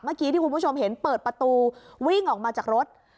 เมื่อกี้ที่คุณผู้ชมเห็นเปิดประตูวิ่งออกมาจากรถ